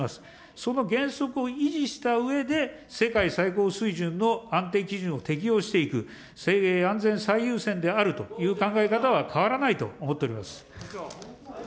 その原則を維持したうえで、世界最高水準の安全基準を適用していく、安全最優先であるという考え方は変わらないと思っております。